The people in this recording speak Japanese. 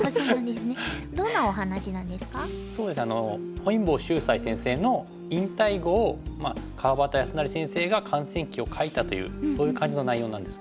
本因坊秀哉先生の引退碁を川端康成先生が観戦記を書いたというそういう感じの内容なんですけども。